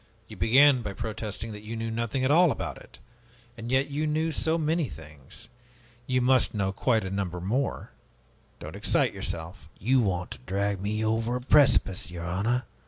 You began by protesting that you knew nothing at all about it. And yet you knew so many things. You must know quite a number more. Don't excite yourself." "You want to drag me over a precipice, your honor!